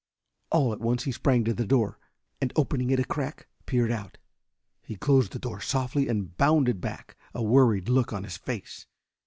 All at once he sprang to the door, and opening it a crack peered out. He closed the door softly and bounded back, a worried look on his face.